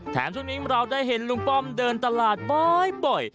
แถมทุกนิดนึงเราได้เห็นลุงป้อมเดินตลาดบ่อย